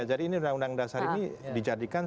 jadi ini undang undang dasar ini dijadikan